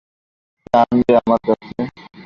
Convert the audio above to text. নিশ্চয়ই ওকে আনবে আমার কাছে।